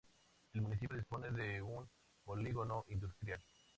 El municipio dispone de un polígono industrial.